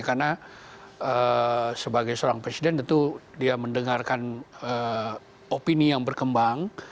karena sebagai seorang presiden itu dia mendengarkan opini yang berkembang